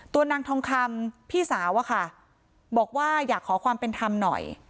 นางทองคำพี่สาวอะค่ะบอกว่าอยากขอความเป็นธรรมหน่อย